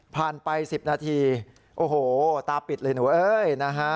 ผ่านไป๑๐นาทีโอ้โหตาปิดเลยหนูเอ๊ย